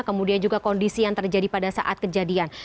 kemudian juga kondisi yang terjadi pada saat kejadian